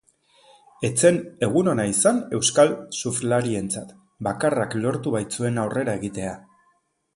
Ez zen egun ona izan euskal surflarientzat, bakarrak lortu baitzuen aurrera egitea.